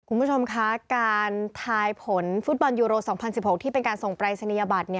คุณผู้ชมคะการทายผลฟุตบอลยูโร๒๐๑๖ที่เป็นการส่งปรายศนียบัตร